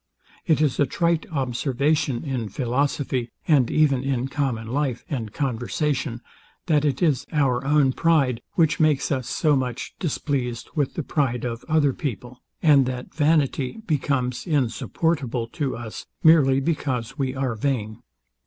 It is a trite observation in philosophy, and even in common life and conversation, that it is our own pride, which makes us so much displeased with the pride of other people; and that vanity becomes insupportable to us merely because we are vain.